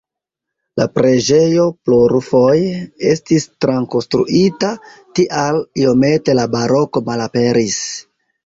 La preĝejo plurfoje estis trakonstruita, tial iomete la baroko malaperis.